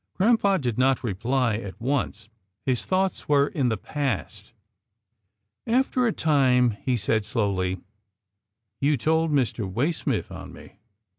Grampa did not reply at once. His thoughts were in the past. After a time, he said slowly, " You told Mr. Way smith on me."